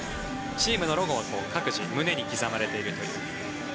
チームのロゴが各自、胸に刻まれているという。